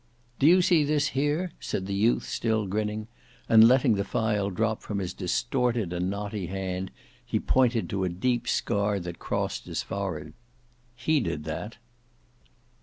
"Do you see this here?" said the youth still grinning, and letting the file drop from his distorted and knotty hand, he pointed to a deep scar that crossed his forehead, "he did that."